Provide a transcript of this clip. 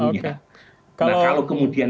nah kalau kemudian